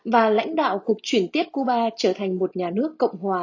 và lãnh đạo cuộc chuyển tiếp cuba trở thành một nhà nước cộng hòa